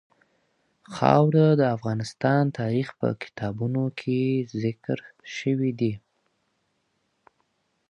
خاوره د افغان تاریخ په کتابونو کې ذکر شوي دي.